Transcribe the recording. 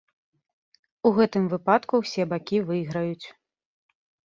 У гэтым выпадку ўсе бакі выйграюць.